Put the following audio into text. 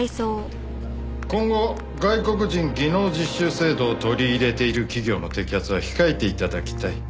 今後外国人技能実習制度を取り入れている企業の摘発は控えて頂きたい。